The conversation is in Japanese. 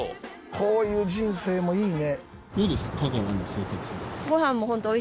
こういう人生もいいね。